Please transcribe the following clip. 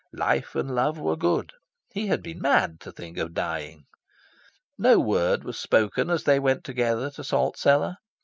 Life and love were good. He had been mad to think of dying. No word was spoken as they went together to Salt Cellar.